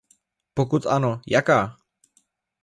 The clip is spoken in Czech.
Pokud ano, jaká?